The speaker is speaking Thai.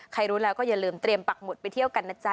รู้แล้วก็อย่าลืมเตรียมปักหมุดไปเที่ยวกันนะจ๊